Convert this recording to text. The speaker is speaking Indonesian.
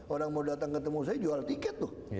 orang mau datang ketemu saya jual tiket tuh